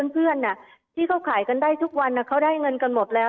เพื่อนที่เขาขายกันได้ทุกวันเขาได้เงินกันหมดแล้ว